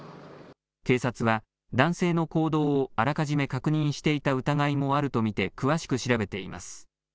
警察は男性の行動をあらかじめ確認していた疑いもあると見て詳しく調べています。